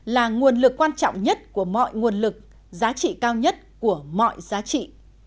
là nguồn lực quan trọng nhất của mọi nguồn lực giá trị cao nhất của mọi giá trị